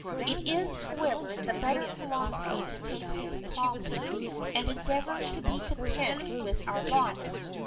It is, however, the better philosophy to take things calmly and endeavor to be content with our lot.